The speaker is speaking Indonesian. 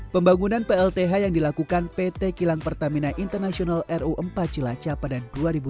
pembangunan plth yang dilakukan pt kilang pertamina international ru empat cilacap pada dua ribu tujuh belas